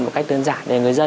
một cách đơn giản để người dân